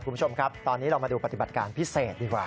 คุณผู้ชมครับตอนนี้เรามาดูปฏิบัติการพิเศษดีกว่า